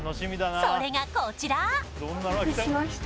それがこちらお待たせしました